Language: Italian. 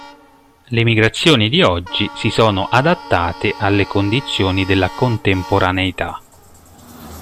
Le migrazioni di oggi si sono adattate alle condizioni della contemporaneità.